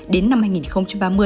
đến năm hai nghìn ba mươi